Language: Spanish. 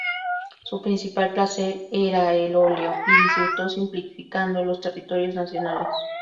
Su principal placer era el óleo y disfrutó simplificando los territorios nacionales.